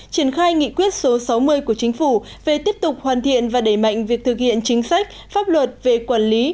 triển khai nghị quyết số sáu mươi của chính phủ về tiếp tục hoàn thiện và đẩy mạnh việc thực hiện chính sách pháp luật về quản lý